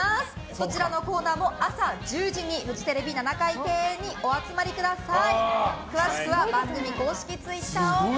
どちらのコーナーも朝１０時にフジテレビ７階庭園にお集まりください。